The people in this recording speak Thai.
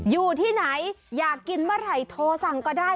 อยู่ที่ไหนอยากกินเมื่อไหร่โทรสั่งก็ได้